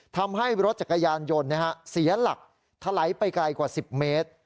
ทำให้รถจักรยานยนต์เสียหลักถลายไปไกลกว่า๑๐เมตร